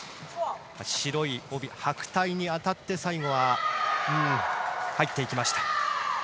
白帯に当たって最後は入っていきました。